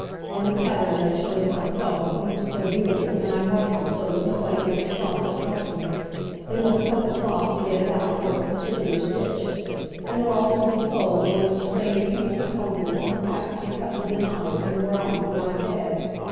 And the pattern as I chose myself, and bleached so beautiful, and I marked 'em so as nobody ever saw such marking,—they must cut the cloth to get it out, for it's a particular stitch. And they're all to be sold, and go into strange people's houses, and perhaps be cut with the knives, and wore out before I'm dead.